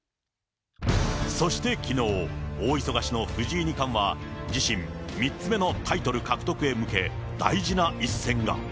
そしてきのう、大忙しの藤井二冠は自身３つ目のタイトル獲得へ向け、大事な一戦が。